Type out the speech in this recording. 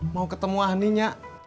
mau ketemu aninya